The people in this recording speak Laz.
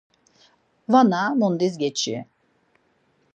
Vana mundis geçi.